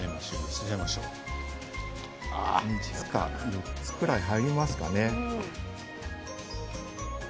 ４つぐらい入りますかね。